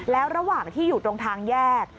แล้วระหว่างที่อยู่ตรงทางแยก